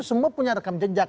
semua punya rekam jejak